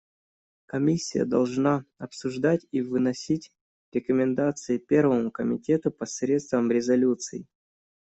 Комиссия должна обсуждать и выносить рекомендации Первому комитету посредством резолюций.